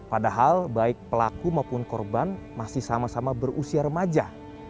padahal baik pelaku maupun korban masih sama sama berusia remaja